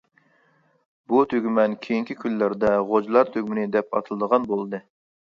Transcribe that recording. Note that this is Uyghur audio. بۇ تۈگمەن كېيىنكى كۈنلەردە «غوجىلار تۈگمىنى» دەپ ئاتىلىدىغان بولدى.